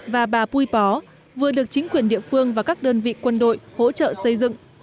và bà pui bó vừa được chính quyền địa phương và các đơn vị quân đội hỗ trợ xây dựng